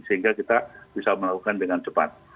sehingga kita bisa melakukan dengan cepat